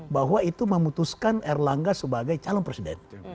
bahwa itu memutuskan erlangga sebagai calon presiden